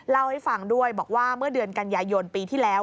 เล่าให้ฟังด้วยบอกว่าเมื่อเดือนกันยายนปีที่แล้ว